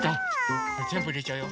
じゃぜんぶいれちゃうよ。